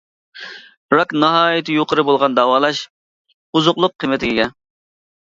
راك ناھايىتى يۇقىرى بولغان داۋالاش، ئوزۇقلۇق قىممىتىگە ئىگە.